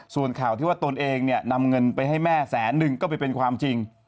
ส่วนข่าวที่ว่าตนเองเนี่ยนำเงินไปให้แม่แสนหนึ่งก็ไม่เป็นความจริง